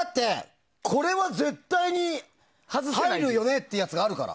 これは絶対に入るよねってやつがあるから。